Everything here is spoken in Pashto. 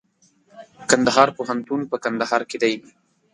کندهار پوهنتون په کندهار کي دئ.